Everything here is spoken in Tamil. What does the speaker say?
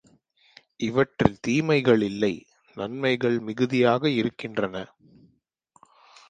இவற்றில் தீமைகள் இல்லை, நன்மைகள் மிகுதியாக இருக்கின்றன.